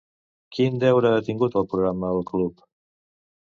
Quin deure ha tingut al programa El club?